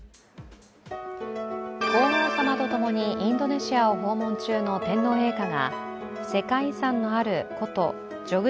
皇后さまとともにインドネシアを訪問中の天皇陛下が世界遺産のある古都ジョグ